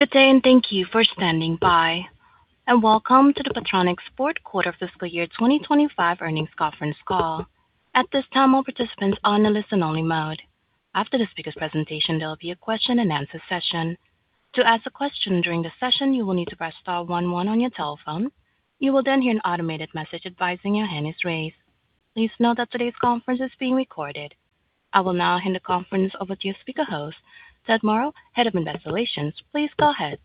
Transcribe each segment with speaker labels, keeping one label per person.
Speaker 1: For today, and thank you for standing by, and welcome to the Photronics fourth quarter fiscal year 2025 earnings conference call. At this time, all participants are on the listen-only mode. After the speaker's presentation, there will be a question-and-answer session. To ask a question during the session, you will need to press star 11 on your telephone. You will then hear an automated message advising your hand is raised. Please note that today's conference is being recorded. I will now hand the conference over to your speaker host, Ted Moreau, head of Investor Relations. Please go ahead.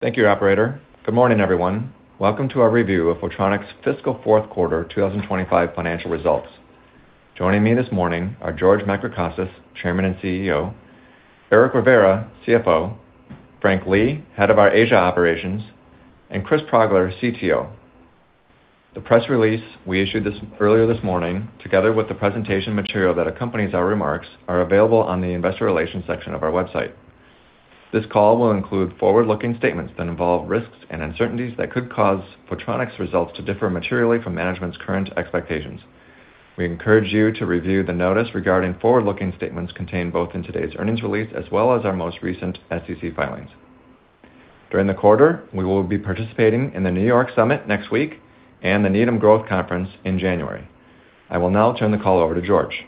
Speaker 2: Thank you, Operator. Good morning, everyone. Welcome to our review of Photronics' fiscal fourth quarter 2025 financial results. Joining me this morning are George Macricostas, Chairman and CEO, Eric Rivera, CFO, Frank Lee, head of our Asia operations, and Chris Progler, CTO. The press release we issued earlier this morning, together with the presentation material that accompanies our remarks, is available on the investor relations section of our website. This call will include forward-looking statements that involve risks and uncertainties that could cause Photronics' results to differ materially from management's current expectations. We encourage you to review the notice regarding forward-looking statements contained both in today's earnings release as well as our most recent SEC filings. During the quarter, we will be participating in the New York Summit next week and the Needham Growth Conference in January. I will now turn the call over to George.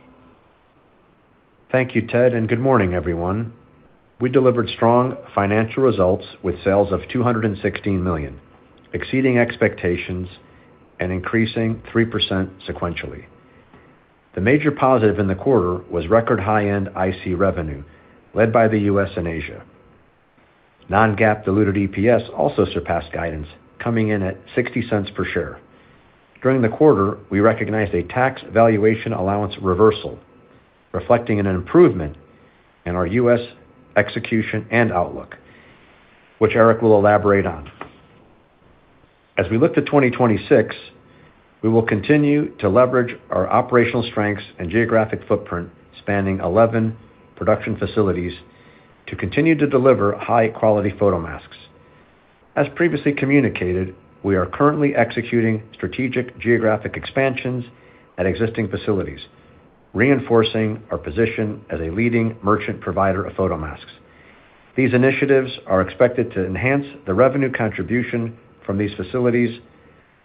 Speaker 3: Thank you, Ted, and good morning, everyone. We delivered strong financial results with sales of $216 million, exceeding expectations and increasing 3% sequentially. The major positive in the quarter was record high-end IC revenue, led by the U.S. and Asia. Non-GAAP diluted EPS also surpassed guidance, coming in at $0.60 per share. During the quarter, we recognized a tax valuation allowance reversal, reflecting an improvement in our U.S. execution and outlook, which Eric will elaborate on. As we look to 2026, we will continue to leverage our operational strengths and geographic footprint, spanning 11 production facilities, to continue to deliver high-quality photomasks. As previously communicated, we are currently executing strategic geographic expansions at existing facilities, reinforcing our position as a leading merchant provider of photomasks. These initiatives are expected to enhance the revenue contribution from these facilities,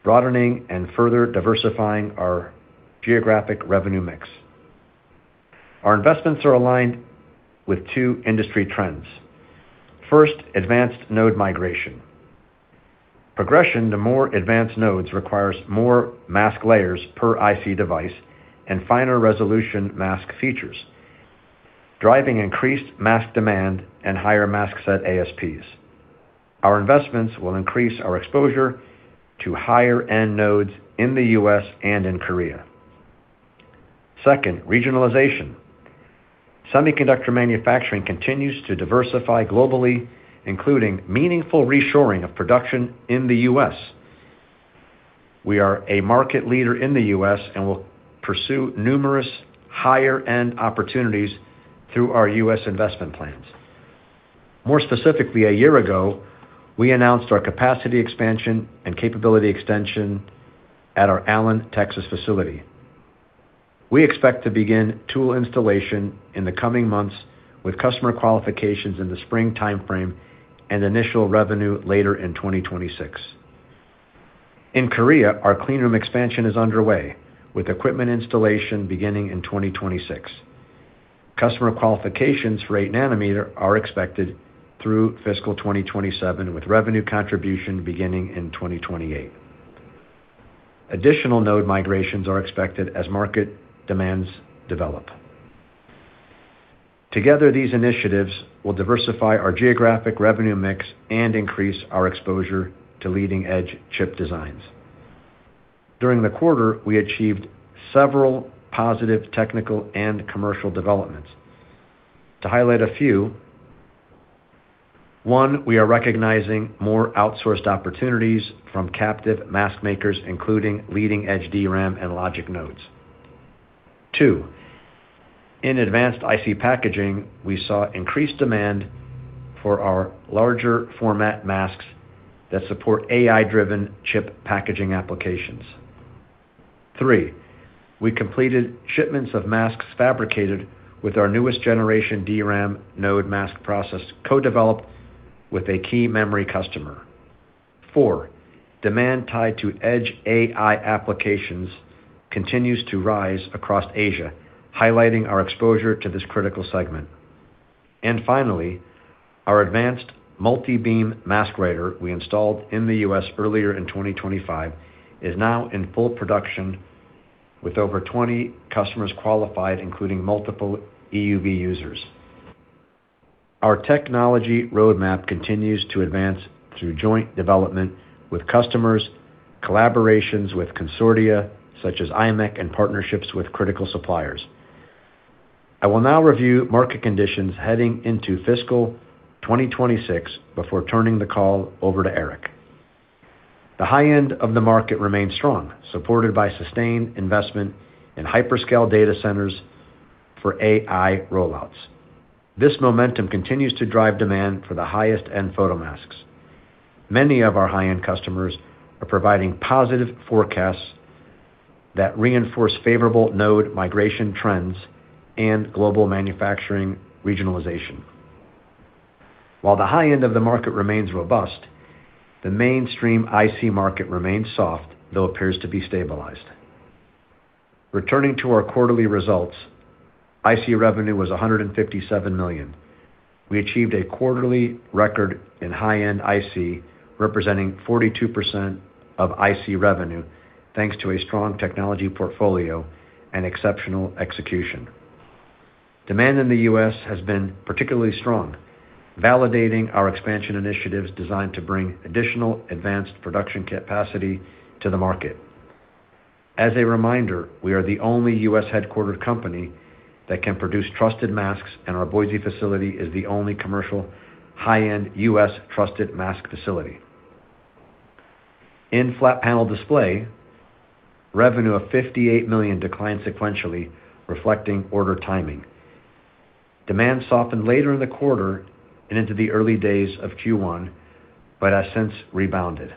Speaker 3: broadening and further diversifying our geographic revenue mix. Our investments are aligned with two industry trends. First, advanced node migration. Progression to more advanced nodes requires more mask layers per IC device and finer resolution mask features, driving increased mask demand and higher mask set ASPs. Our investments will increase our exposure to higher-end nodes in the U.S. and in Korea. Second, regionalization. Semiconductor manufacturing continues to diversify globally, including meaningful reshoring of production in the U.S. We are a market leader in the U.S. and will pursue numerous higher-end opportunities through our U.S. investment plans. More specifically, a year ago, we announced our capacity expansion and capability extension at our Allen, Texas facility. We expect to begin tool installation in the coming months with customer qualifications in the spring timeframe and initial revenue later in 2026. In Korea, our cleanroom expansion is underway, with equipment installation beginning in 2026. Customer qualifications for 8 nanometer are expected through fiscal 2027, with revenue contribution beginning in 2028. Additional node migrations are expected as market demands develop. Together, these initiatives will diversify our geographic revenue mix and increase our exposure to leading-edge chip designs. During the quarter, we achieved several positive technical and commercial developments. To highlight a few: one, we are recognizing more outsourced opportunities from captive mask makers, including leading-edge DRAM and logic nodes. Two, in advanced IC packaging, we saw increased demand for our larger format masks that support AI-driven chip packaging applications. Three, we completed shipments of masks fabricated with our newest generation DRAM node mask process, co-developed with a key memory customer. Four, demand tied to edge AI applications continues to rise across Asia, highlighting our exposure to this critical segment. Finally, our advanced multi-beam mask writer we installed in the U.S. earlier in 2025 is now in full production, with over 20 customers qualified, including multiple EUV users. Our technology roadmap continues to advance through joint development with customers, collaborations with consortia such as IMEC, and partnerships with critical suppliers. I will now review market conditions heading into fiscal 2026 before turning the call over to Eric. The high-end of the market remains strong, supported by sustained investment in hyperscale data centers for AI rollouts. This momentum continues to drive demand for the highest-end photomasks. Many of our high-end customers are providing positive forecasts that reinforce favorable node migration trends and global manufacturing regionalization. While the high-end of the market remains robust, the mainstream IC market remains soft, though appears to be stabilized. Returning to our quarterly results, IC revenue was $157 million. We achieved a quarterly record in high-end IC, representing 42% of IC revenue, thanks to a strong technology portfolio and exceptional execution. Demand in the U.S. has been particularly strong, validating our expansion initiatives designed to bring additional advanced production capacity to the market. As a reminder, we are the only U.S.-headquartered company that can produce trusted masks, and our Boise facility is the only commercial high-end U.S. trusted mask facility. In flat panel display, revenue of $58 million declined sequentially, reflecting order timing. Demand softened later in the quarter and into the early days of Q1, but has since rebounded.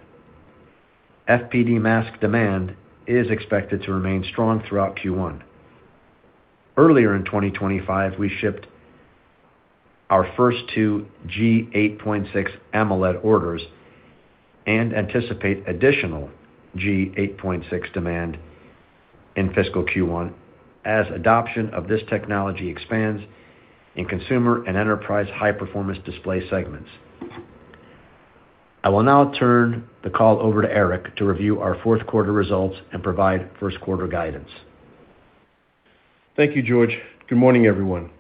Speaker 3: FPD mask demand is expected to remain strong throughout Q1. Earlier in 2025, we shipped our first two G8.6 AMOLED orders and anticipate additional G8.6 demand in fiscal Q1 as adoption of this technology expands in consumer and enterprise high-performance display segments. I will now turn the call over to Eric to review our fourth quarter results and provide first-quarter guidance.
Speaker 4: Thank you, George. Good morning, everyone.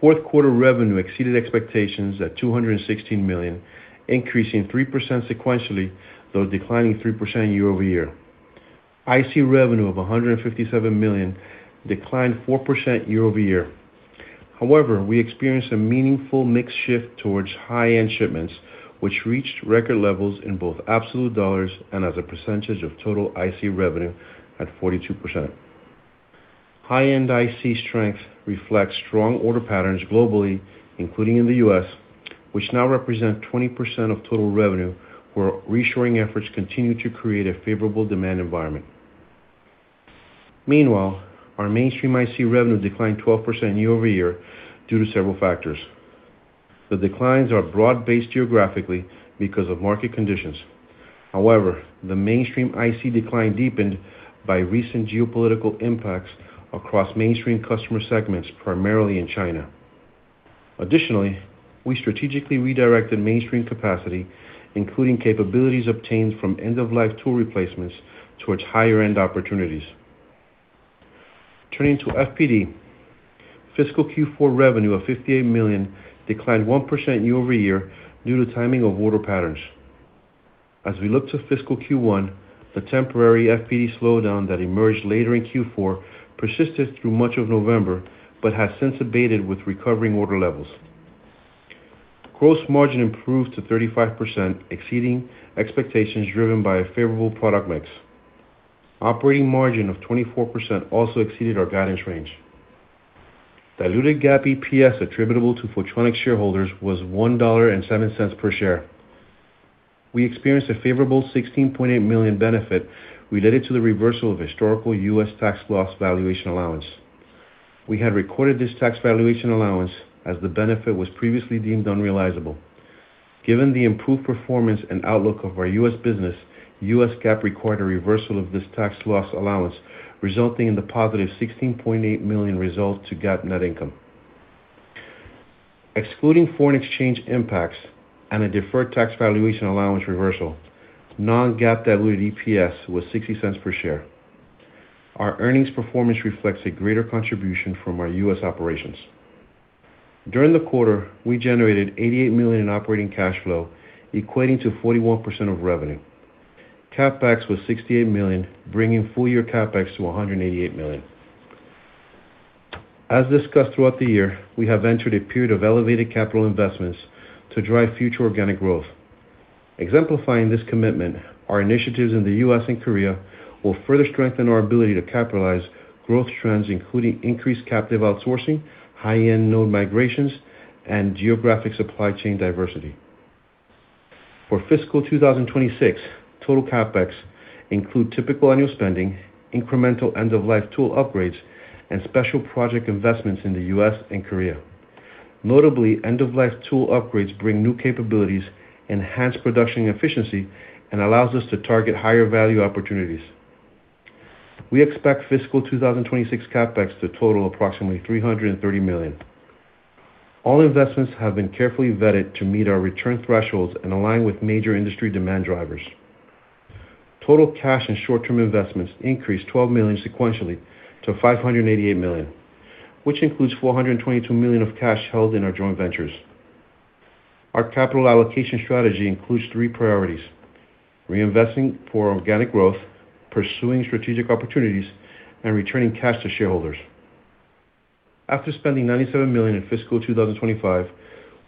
Speaker 4: Fourth quarter revenue exceeded expectations at $216 million, increasing 3% sequentially, though declining 3% year-over-year. IC revenue of $157 million declined 4% year over year. However, we experienced a meaningful mix shift towards high-end shipments, which reached record levels in both absolute dollars and as a percentage of total IC revenue at 42%. High-end IC strength reflects strong order patterns globally, including in the U.S., which now represent 20% of total revenue, where reshoring efforts continue to create a favorable demand environment. Meanwhile, our mainstream IC revenue declined 12% year-over-year due to several factors. The declines are broad-based geographically because of market conditions. However, the mainstream IC decline deepened by recent geopolitical impacts across mainstream customer segments, primarily in China. Additionally, we strategically redirected mainstream capacity, including capabilities obtained from end-of-life tool replacements, towards higher-end opportunities. Turning to FPD, fiscal Q4 revenue of $58 million declined 1% year over year due to timing of order patterns. As we look to fiscal Q1, the temporary FPD slowdown that emerged later in Q4 persisted through much of November but has since abated with recovering order levels. Gross margin improved to 35%, exceeding expectations driven by a favorable product mix. Operating margin of 24% also exceeded our guidance range. Diluted GAAP EPS attributable to Photronics shareholders was $1.07 per share. We experienced a favorable $16.8 million benefit related to the reversal of historical U.S. tax loss valuation allowance. We had recorded this tax valuation allowance as the benefit was previously deemed unrealizable. Given the improved performance and outlook of our U.S. business, U.S. GAAP required a reversal of this tax loss allowance, resulting in the positive $16.8 million result to GAAP net income. Excluding foreign exchange impacts and a deferred tax valuation allowance reversal, non-GAAP diluted EPS was $0.60 per share. Our earnings performance reflects a greater contribution from our U.S. operations. During the quarter, we generated $88 million in operating cash flow, equating to 41% of revenue. CapEx was $68 million, bringing full-year CapEx to $188 million. As discussed throughout the year, we have entered a period of elevated capital investments to drive future organic growth. Exemplifying this commitment, our initiatives in the U.S. and Korea will further strengthen our ability to capitalize growth trends, including increased captive outsourcing, high-end node migrations, and geographic supply chain diversity. For fiscal 2026, total CapEx includes typical annual spending, incremental end-of-life tool upgrades, and special project investments in the U.S. and Korea. Notably, end-of-life tool upgrades bring new capabilities, enhance production efficiency, and allow us to target higher value opportunities. We expect fiscal 2026 CapEx to total approximately $330 million. All investments have been carefully vetted to meet our return thresholds and align with major industry demand drivers. Total cash and short-term investments increased $12 million sequentially to $588 million, which includes $422 million of cash held in our joint ventures. Our capital allocation strategy includes three priorities: reinvesting for organic growth, pursuing strategic opportunities, and returning cash to shareholders. After spending $97 million in fiscal 2025,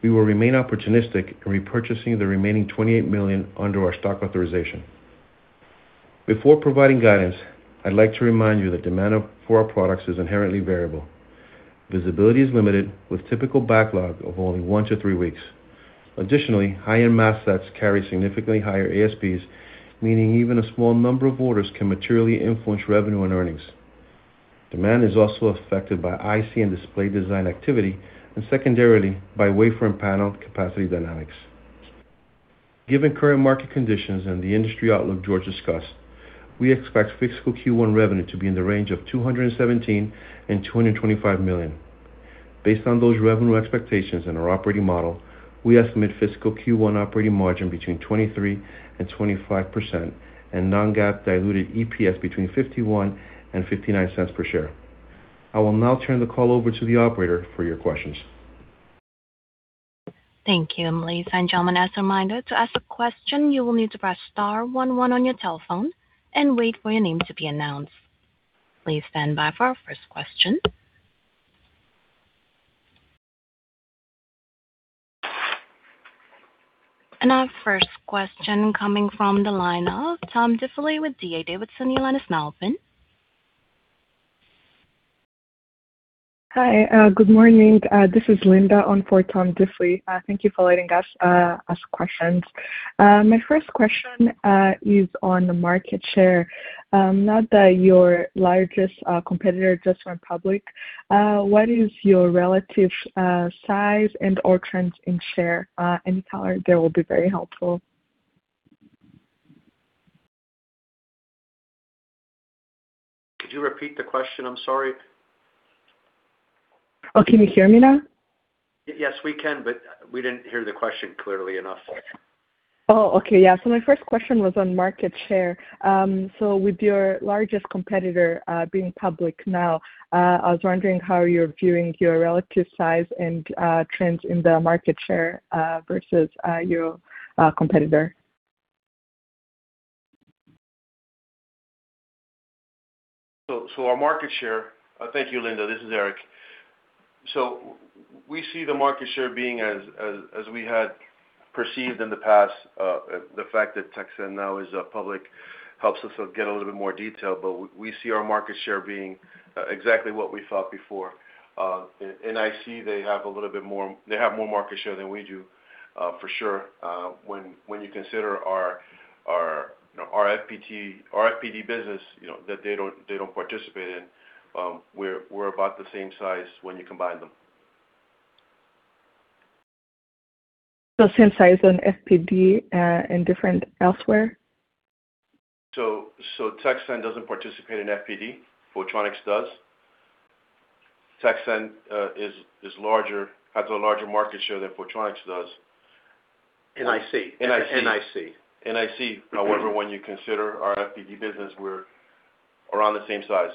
Speaker 4: we will remain opportunistic in repurchasing the remaining $28 million under our stock authorization. Before providing guidance, I'd like to remind you that demand for our products is inherently variable. Visibility is limited, with typical backlog of only one to three weeks. Additionally, high-end mask sets carry significantly higher ASPs, meaning even a small number of orders can materially influence revenue and earnings. Demand is also affected by IC and display design activity, and secondarily, by wafer and panel capacity dynamics. Given current market conditions and the industry outlook George discussed, we expect fiscal Q1 revenue to be in the range of $217 and $225 million. Based on those revenue expectations and our operating model, we estimate fiscal Q1 operating margin between 23 and 25%, and non-GAAP diluted EPS between $0.51 and $0.59 per share. I will now turn the call over to the operator for your questions.
Speaker 1: Thank you, Emily. Thank you, Element. As a reminder, to ask a question, you will need to press *11 on your telephone and wait for your name to be announced. Please stand by for our first question, and our first question coming from the line of Tom Diffely with D.A. Davidson. You'll let us know. Hi, good morning. This is Linda on for Tom Diffely. Thank you for letting us ask questions. My first question is on the market share. Not that your largest competitor, just one public. What is your relative size and/or trends in share? Any color there will be very helpful.
Speaker 5: Could you repeat the question? I'm sorry. Oh, can you hear me now? Yes, we can, but we didn't hear the question clearly enough. My first question was on market share. With your largest competitor being public now, I was wondering how you're viewing your relative size and trends in the market share versus your competitor. Our market share. Thank you, Linda. This is Eric. We see the market share being as we had perceived in the past. The fact that Texan now is public helps us get a little bit more detail, but we see our market share being exactly what we thought before. In IC, they have a little bit more. They have more market share than we do, for sure. When you consider our FPD business that they don't participate in, we're about the same size when you combine them. So same size on FPD and different elsewhere? Texan doesn't participate in FPD. Photronics does. Texan has a larger market share than Photronics does.
Speaker 6: In IC.
Speaker 5: In IC. However, when you consider our FPD business, we're around the same size.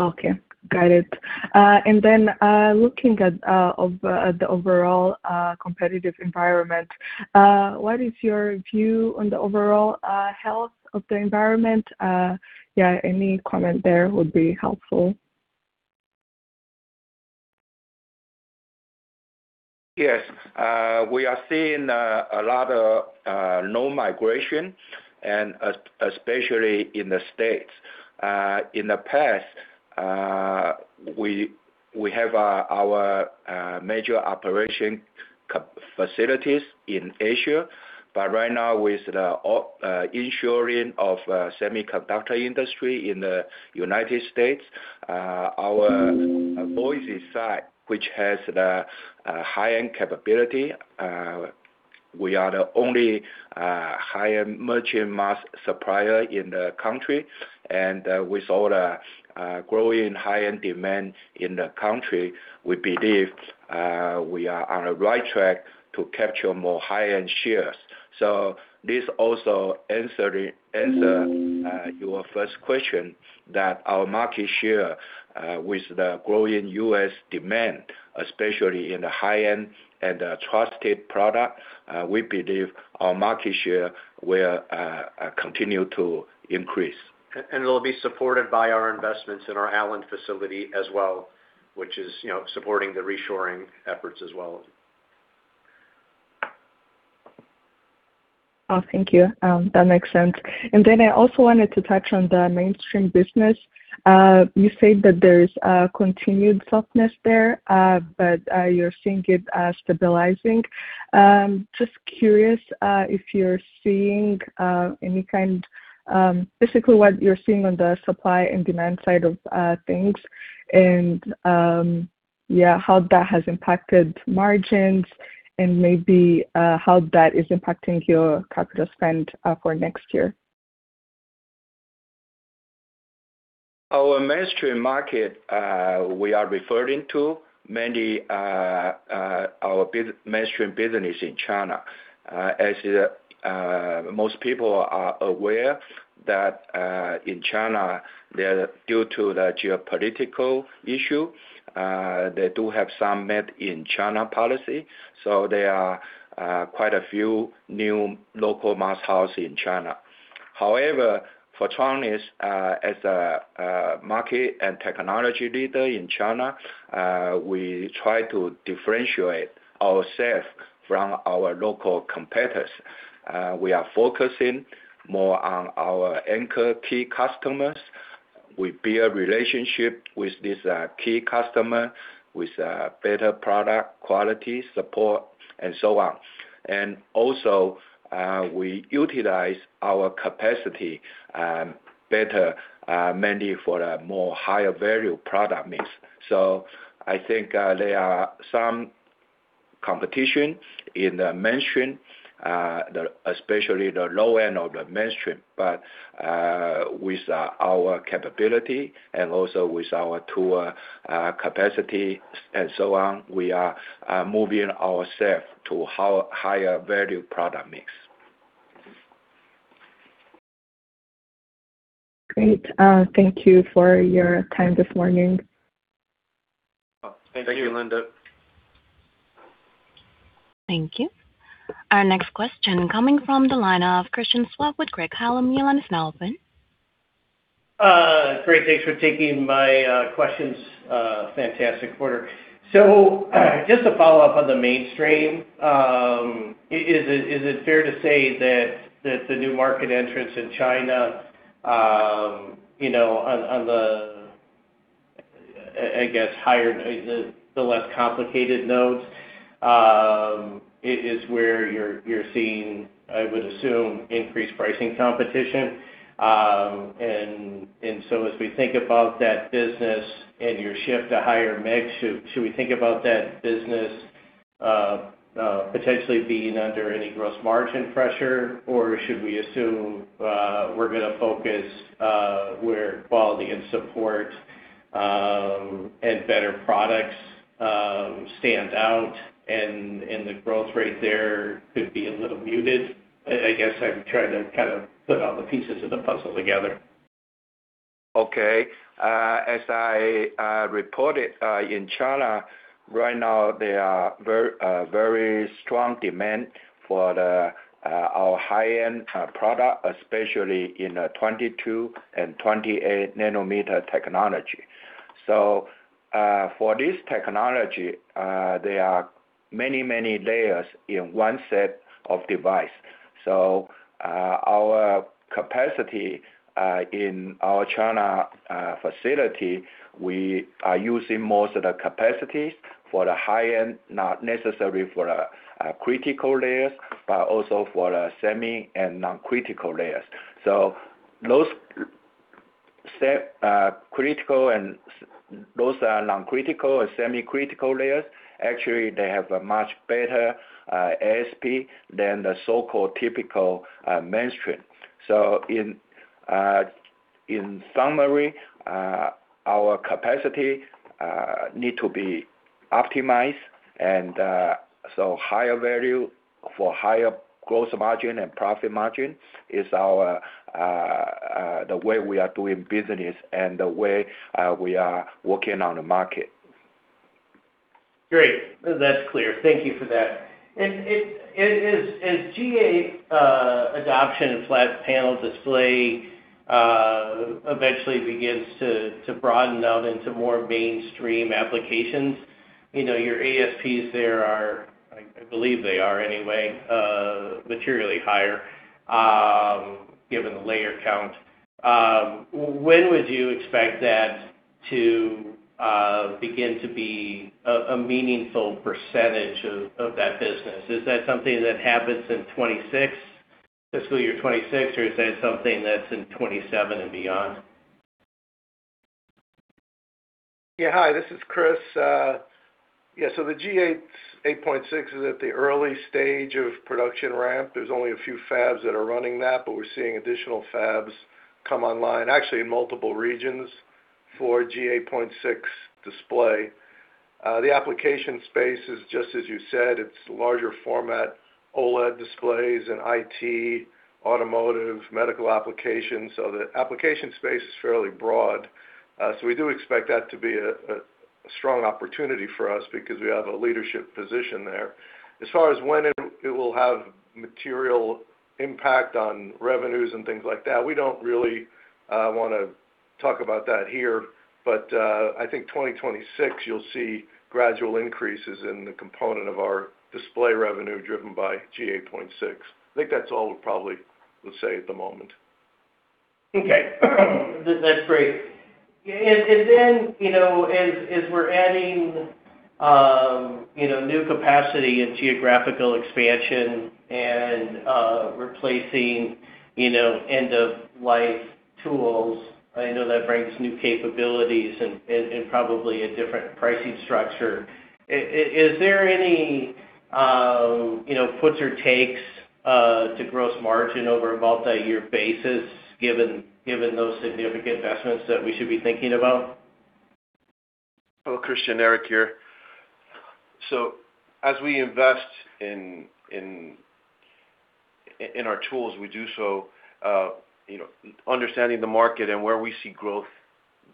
Speaker 5: Okay. Got it. Looking at the overall competitive environment, what is your view on the overall health of the environment? Yeah, any comment there would be helpful.
Speaker 6: Yes. We are seeing a lot of node migration, and especially in the States. In the past, we have our major operating facilities in Asia, but right now, with the reshoring of semiconductor industry in the United States, our Boise site, which has the high-end capability, we are the only high-end merchant mask supplier in the country, and with all the growing high-end demand in the country, we believe we are on the right track to capture more high-end shares, so this also answers your first question, that our market share with the growing U.S. demand, especially in the high-end and trusted product, we believe our market share will continue to increase.
Speaker 5: It'll be supported by our investments in our Allen facility as well, which is supporting the reshoring efforts as well. Oh, thank you. That makes sense. I also wanted to touch on the mainstream business. You said that there's continued softness there, but you're seeing it stabilizing. Just curious if you're seeing any kind, basically what you're seeing on the supply and demand side of things, and, yeah, how that has impacted margins and maybe how that is impacting your capital spend for next year?
Speaker 6: Our mainstream market we are referring to, mainly our mainstream business in China. As most people are aware that in China, due to the geopolitical issue, they do have some native in China policy. There are quite a few new local mask houses in China. However, Photronics, as a market and technology leader in China, we try to differentiate ourselves from our local competitors. We are focusing more on our anchor key customers. We build a relationship with these key customers with better product quality, support, and so on. Also, we utilize our capacity better, mainly for the more higher value product mix. There are some competition in the mainstream, especially the low end of the mainstream. With our capability and also with our tool capacity and so on, we are moving ourselves to higher value product mix. Great. Thank you for your time this morning.
Speaker 5: Thank you, Linda.
Speaker 1: Thank you. Our next question coming from the line of Christian Schwab with Craig-Hallum Capital Group.
Speaker 7: Great. Thanks for taking my questions. Fantastic order. Just to follow up on the mainstream, is it fair to say that the new market entrance in China on the higher, the less complicated nodes, is where you're seeing, I would assume, increased pricing competition? And so as we think about that business and your shift to higher mix, should we think about that business potentially being under any gross margin pressure, or should we assume we're going to focus where quality and support and better products stand out and the growth rate there could be a little muted? I guess I'm trying to put all the pieces of the puzzle together.
Speaker 6: Okay. As I reported in China, right now, there are very strong demand for our high-end product, especially in the 22- and 28-nanometer technology. For this technology, there are many, many layers in one set of device. Our capacity in our China facility, we are using most of the capacities for the high-end, not necessarily for the critical layers, but also for the semi and non-critical layers. Those critical and those non-critical and semi-critical layers, actually, they have a much better ASP than the so-called typical mainstream. In summary, our capacity needs to be optimized, and so higher value for higher gross margin and profit margin is the way we are doing business and the way we are working on the market.
Speaker 7: Great. That's clear. Thank you for that. As G8.6 adoption and flat panel display eventually begins to broaden out into more mainstream applications, your ASPs there are, I believe they are anyway, materially higher given the layer count. When would you expect that to begin to be a meaningful percentage of that business? Is that something that happens in 2026, fiscal year 2026, or is that something that's in 2027 and beyond?
Speaker 5: Yeah. Hi, this is Chris. Yeah. The G8.6 is at the early stage of production ramp. There's only a few fabs that are running that, but we're seeing additional fabs come online, actually in multiple regions for G8.6 display. The application space is, just as you said, it's larger format OLED displays and IT, automotive, medical applications. The application space is fairly broad. We do expect that to be a strong opportunity for us because we have a leadership position there. As far as when it will have material impact on revenues and things like that, we don't really want to talk about that here. But I think 2026, you'll see gradual increases in the component of our display revenue driven by G8.6. That's all we probably would say at the moment.
Speaker 7: Okay. That's great. As we're adding new capacity and geographical expansion and replacing end-of-life tools, I know that brings new capabilities and probably a different pricing structure. Is there any puts or takes to gross margin over a multi-year basis given those significant investments that we should be thinking about?
Speaker 5: Oh, Christian, Eric here, so as we invest in our tools, we do so understanding the market and where we see growth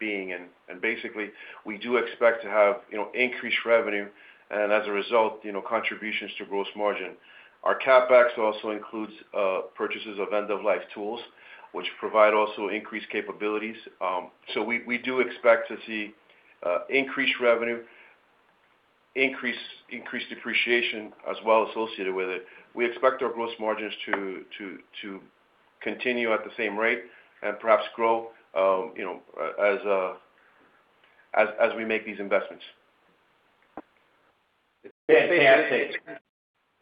Speaker 5: being, and basically, we do expect to have increased revenue and, as a result, contributions to gross margin. Our CapEx also includes purchases of end-of-life tools, which provide also increased capabilities, so we do expect to see increased revenue, increased depreciation as well associated with it. We expect our gross margins to continue at the same rate and perhaps grow as we make these investments.
Speaker 7: Fantastic.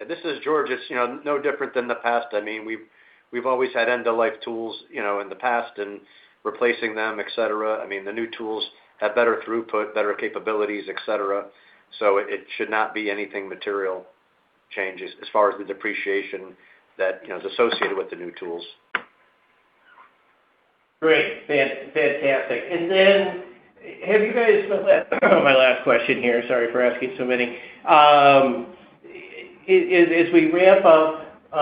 Speaker 3: This is George. It's no different than the past. We've always had end-of-life tools in the past and replacing them, etc. the new tools have better throughput, better capabilities, etc. It should not be anything material changes as far as the depreciation that's associated with the new tools.
Speaker 7: Great. Fantastic. Have you guys, oh, my last question here. Sorry for asking so many. As we ramp up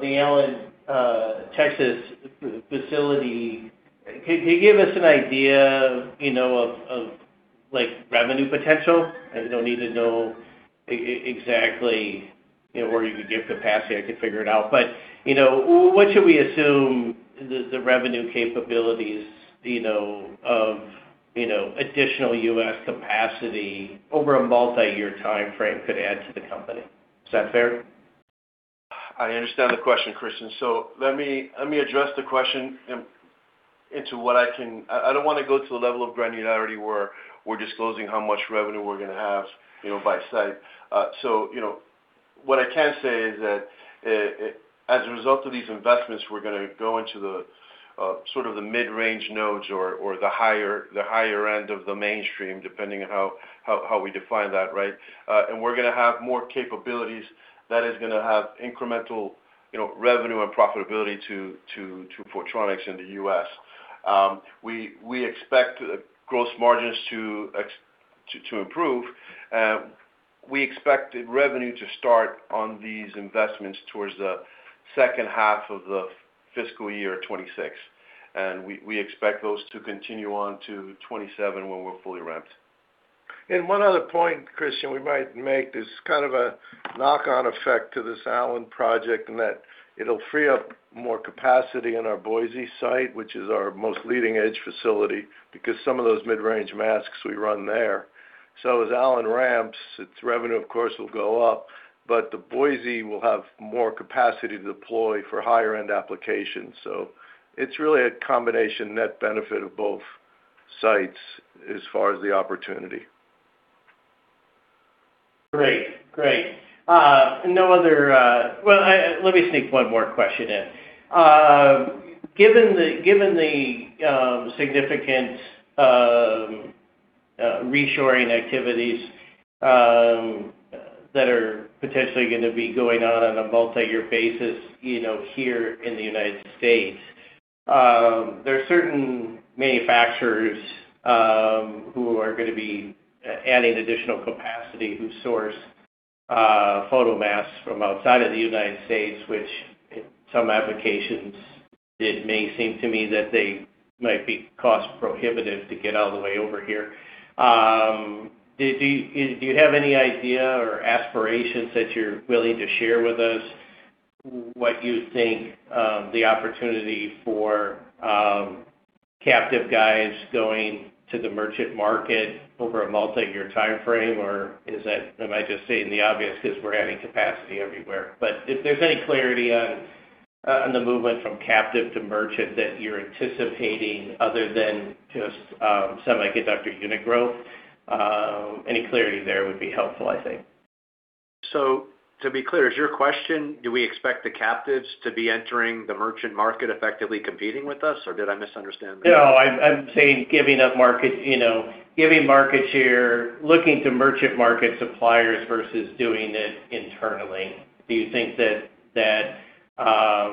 Speaker 7: the Allen, Texas facility, can you give us an idea of revenue potential? I don't need to know exactly where you could get capacity. I could figure it out. But what should we assume the revenue capabilities of additional U.S. capacity over a multi-year timeframe could add to the company? Is that fair?
Speaker 5: I understand the question, Christian. Let me address the question into what I can, I don't want to go to a level of granularity where we're disclosing how much revenue we're going to have by site. What I can say is that as a result of these investments, we're going to go into the mid-range nodes or the higher end of the mainstream, depending on how we define that, right? And we're going to have more capabilities that is going to have incremental revenue and profitability to Photronics in the U.S. We expect gross margins to improve. We expect revenue to start on these investments towards the second half of the fiscal year 2026. We expect those to continue on to 2027 when we're fully ramped.
Speaker 6: One other point, Christian, we might make this a knock-on effect to this Allen project in that it'll free up more capacity in our Boise site, which is our most leading-edge facility, because some of those mid-range masks we run there. As Allen ramps, its revenue, of course, will go up, but the Boise will have more capacity to deploy for higher-end applications. It's really a combination net benefit of both sites as far as the opportunity.
Speaker 7: Great. Great. Well, let me sneak one more question in. Given the significant reshoring activities that are potentially going to be going on on a multi-year basis here in the United States, there are certain manufacturers who are going to be adding additional capacity who source photomasks from outside of the United States, which in some applications, it may seem to me that they might be cost-prohibitive to get all the way over here. Do you have any idea or aspirations that you're willing to share with us what you think the opportunity for captive guys going to the merchant market over a multi-year timeframe, or am I just stating the obvious because we're adding capacity everywhere, but if there's any clarity on the movement from captive to merchant that you're anticipating other than just semiconductor unit growth, any clarity there would be helpful.
Speaker 5: To be clear, is your question, do we expect the captives to be entering the merchant market effectively competing with us, or did I misunderstand that?
Speaker 7: No. I'm saying giving up market share, looking to merchant market suppliers versus doing it internally. Do you think that that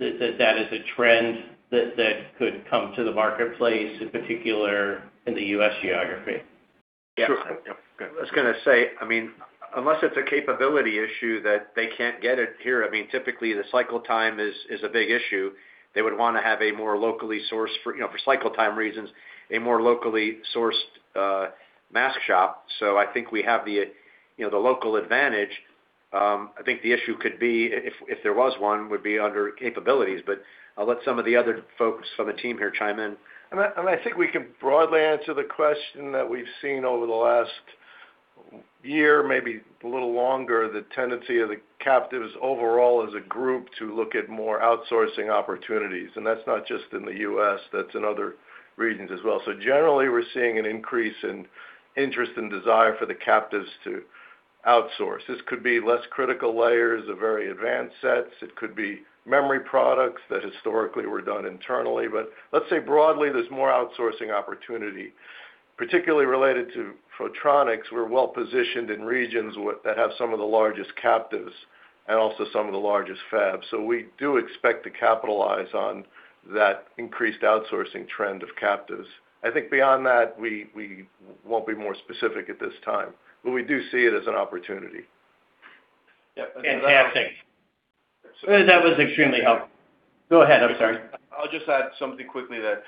Speaker 7: is a trend that could come to the marketplace, in particular in the U.S. geography?
Speaker 5: Yeah. I was going to say unless it's a capability issue that they can't get it here typically the cycle time is a big issue. They would want to have a more locally sourced, for cycle time reasons, a more locally sourced mask shop. We have the local advantage. The issue could be, if there was one, would be under capabilities. I'll let some of the other folks from the team here chime in.
Speaker 6: We can broadly answer the question that we've seen over the last year, maybe a little longer, the tendency of the captives overall as a group to look at more outsourcing opportunities. That's not just in the U.S. That's in other regions as well. Generally, we're seeing an increase in interest and desire for the captives to outsource. This could be less critical layers of very advanced sets. It could be memory products that historically were done internally. Let's say broadly, there's more outsourcing opportunity. Particularly related to Photronics, we're well positioned in regions that have some of the largest captives and also some of the largest fabs. We do expect to capitalize on that increased outsourcing trend of captives. I think beyond that, we won't be more specific at this time. But we do see it as an opportunity.
Speaker 7: Yeah. That's fantastic. That was extremely helpful. Go ahead. I'm sorry.
Speaker 5: I'll just add something quickly there.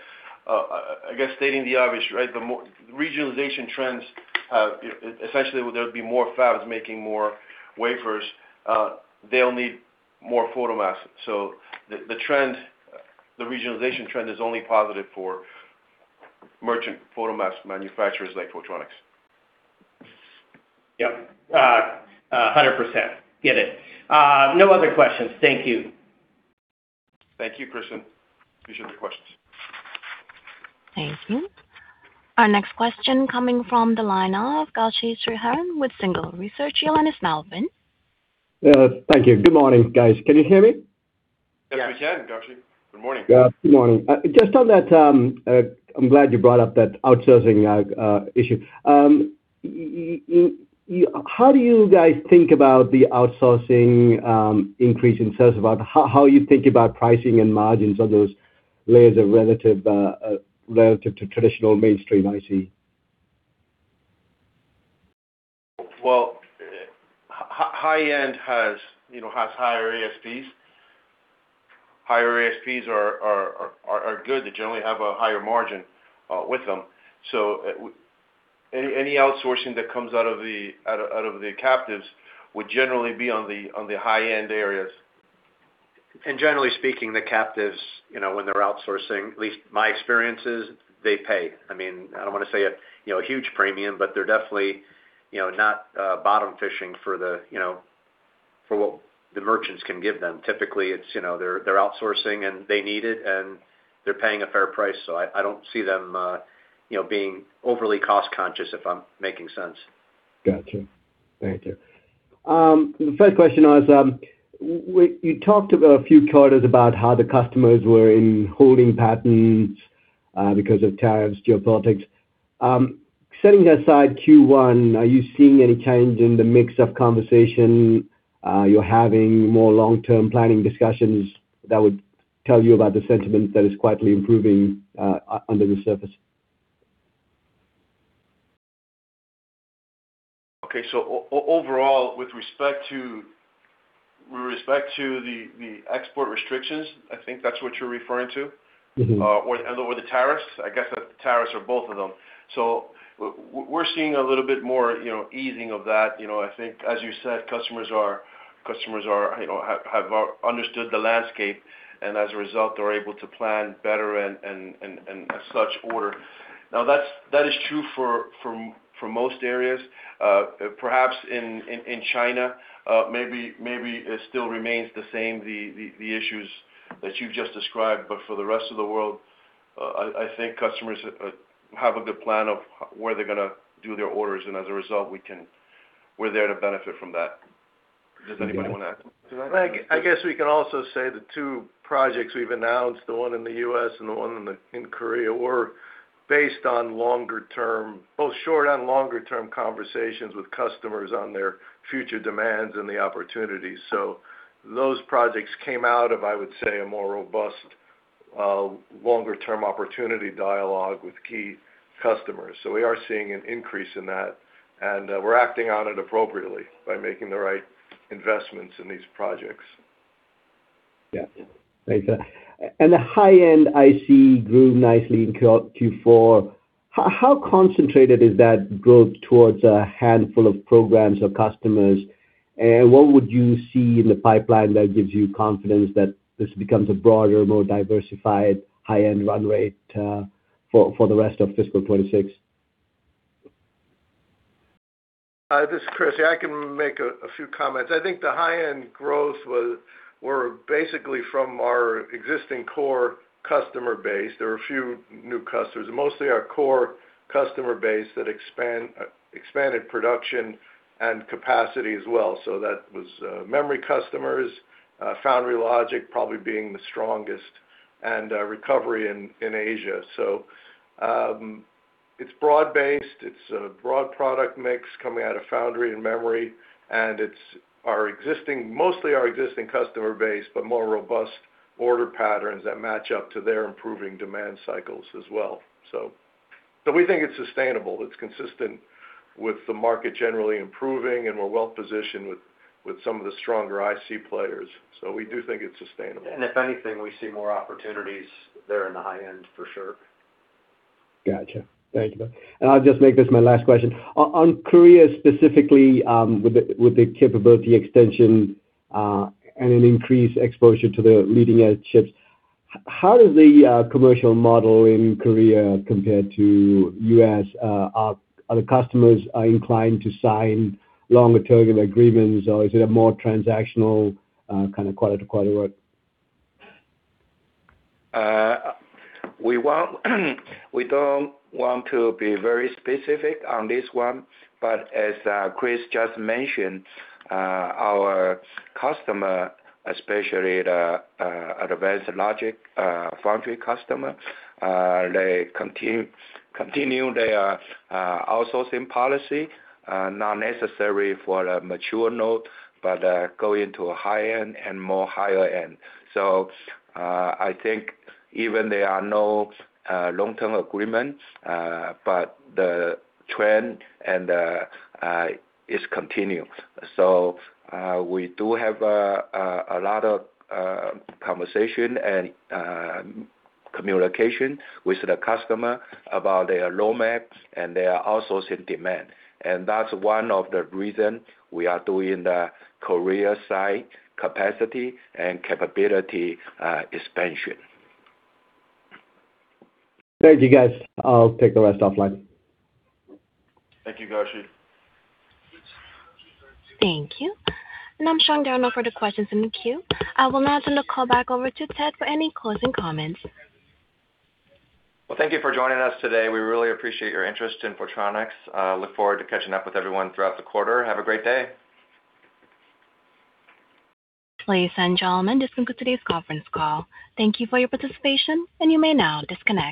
Speaker 5: Stating the obvious, right? The regionalization trends, essentially, there'll be more fabs making more wafers. They'll need more photomasks. The regionalization trend is only positive for merchant photomask manufacturers like Photronics.
Speaker 7: Yep. 100%. Get it. No other questions. Thank you.
Speaker 5: Thank you, Christian. Appreciate the questions.
Speaker 1: Thank you. Our next question coming from the line of Gauchi Surhan with Single Research. Johannes Malven. Thank you. Good morning, guys. Can you hear me?
Speaker 5: Yes, we can, Gauchi. Good morning. Good morning. Just on that, I'm glad you brought up that outsourcing issue. How do you guys think about the outsourcing increase in sales? How do you think about pricing and margins on those layers relative to traditional mainstream IC? High-end has higher ASPs. Higher ASPs are good. They generally have a higher margin with them. Any outsourcing that comes out of the captives would generally be on the high-end areas. Generally speaking, the captives, when they're outsourcing, at least my experience is they pay. I don't want to say a huge premium, but they're definitely not bottom fishing for what the merchants can give them. Typically, they're outsourcing and they need it, and they're paying a fair price. I don't see them being overly cost-conscious, if I'm making sense. Gotcha. Thank you. The first question was, you talked a few quarters about how the customers were in holding patterns because of tariffs, geopolitics. Setting aside Q1, are you seeing any change in the mix of conversation? You're having more long-term planning discussions that would tell you about the sentiment that is quietly improving under the surface? Okay, so overall, with respect to the export restrictions that's what you're referring to, or the tariffs. I guess the tariffs are both of them, so we're seeing a little bit more easing of that. As you said, customers have understood the landscape, and as a result, they're able to plan better and, as such, order. Now, that is true for most areas. Perhaps in China, maybe it still remains the same, the issues that you've just described, but for the rest of the world customers have a good plan of where they're going to do their orders, and as a result, we're there to benefit from that. Does anybody want to add?
Speaker 6: We can also say the two projects we've announced, the one in the U.S. and the one in Korea, were based on both short and longer-term conversations with customers on their future demands and the opportunities. Those projects came out of, I would say, a more robust longer-term opportunity dialogue with key customers. We are seeing an increase in that. We're acting on it appropriately by making the right investments in these projects. Yeah. Makes sense. The high-end IC grew nicely in Q4. How concentrated is that growth towards a handful of programs or customers? And what would you see in the pipeline that gives you confidence that this becomes a broader, more diversified high-end run rate for the rest of fiscal 2026?
Speaker 5: This is Chris. I can make a few comments. The high-end growth were basically from our existing core customer base. There were a few new customers, mostly our core customer base that expanded production and capacity as well, so that was memory customers, foundry logic probably being the strongest, and recovery in Asia, so it's broad-based. It's a broad product mix coming out of foundry and memory, and it's mostly our existing customer base, but more robust order patterns that match up to their improving demand cycles as well, it's sustainable. It's consistent with the market generally improving, and we're well positioned with some of the stronger IC players, so we do think it's sustainable. If anything, we see more opportunities there in the high-end for sure. Gotcha. Thank you. I'll just make this my last question. On Korea specifically, with the capability extension and an increased exposure to the leading-edge chips, how does the commercial model in Korea compare to U.S.? Are the customers inclined to sign longer-term agreements, or is it a more transactional quarter-to-quarter work?
Speaker 6: We don't want to be very specific on this one. As Chris just mentioned, our customer, especially the Advanced Logic Foundry customer, they continue their outsourcing policy, not necessarily for a mature node, but going to a high-end and more higher-end. Even there are no long-term agreements, but the trend is continuing. We do have a lot of conversation and communication with the customer about their roadmap and their outsourcing demand. That's one of the reasons we are doing the Korea-side capacity and capability expansion. Thank you, guys. I'll take the rest offline.
Speaker 5: Thank you, Gauchi.
Speaker 1: Thank you. I'm showing there are no further questions in the queue. I will now turn the call back over to Ted for any closing comments.
Speaker 2: Thank you for joining us today. We really appreciate your interest in Photronics. Look forward to catching up with everyone throughout the quarter. Have a great day.
Speaker 1: Ladies and gentlemen, this concludes today's conference call. Thank you for your participation, and you may now disconnect.